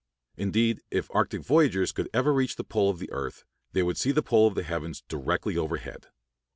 Indeed, if Arctic voyagers could ever reach the pole of the earth they would see the pole of the heavens directly overhead.